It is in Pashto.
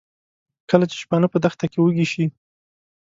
کله چې شپانه په دښته کې وږي شي.